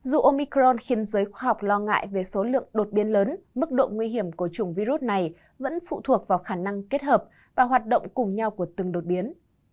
dù omicron khiến giới khoa học lo ngại về số lượng đột biến lớn mức độ nguy hiểm của chủng virus này vẫn phụ thuộc vào khả năng kết hợp và hoạt động cùng nhau của từng đột biến